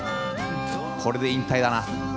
これで引退だな。